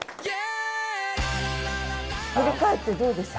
振り返ってどうですか？